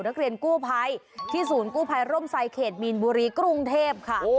นักเรียนกู้ภัยที่ศูนย์กู้ภัยร่มไซเขตมีนบุรีกรุงเทพค่ะ